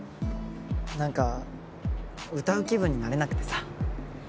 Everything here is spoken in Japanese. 何か歌う気分になれなくてさ。